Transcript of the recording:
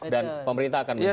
dan pemerintah akan menjamin